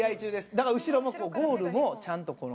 だから後ろもゴールもちゃんとこの。